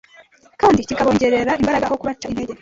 kandi kikabongerera imbaraga aho kubaca intege